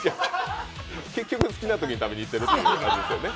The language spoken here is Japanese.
結局好きなときに食べに行ってるってことですよね。